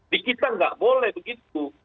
di kita nggak boleh begitu